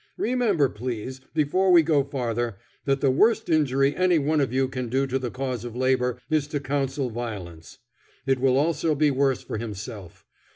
Remember, please, before we go farther, that the worst injury any one of you can do to the cause of labor is to counsel violence. It will also be worse for himself.